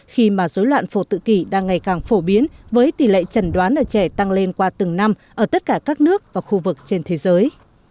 khi mà dối loạn phổ tự kỷ đang ngày càng phổ biến với tỷ lệ trần đoán ở trẻ tăng lên qua từng năm ở tất cả các nước và khu vực trên thế giới